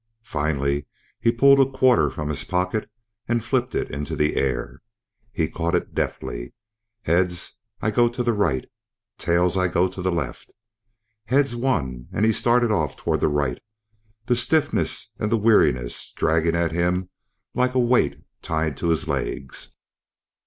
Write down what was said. Finally he pulled a quarter from his pocket and flipped it into the air. He caught it deftly. Heads, I go to the right; tails, I go to the left. Heads won and he started off toward the right, the stiffness and the weariness dragging at him like a weight tied to his legs.